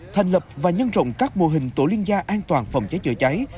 thành lập và nhân rộng các mô hình tổ liên gia an toàn phòng cháy chữa cháy